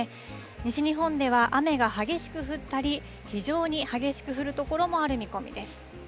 西日本では雨が激しく降ったり、非常に激しく降る所もある見込みです。